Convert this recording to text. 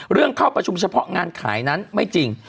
เข้าประชุมเฉพาะงานขายนั้นไม่จริง